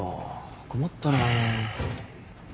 困ったな。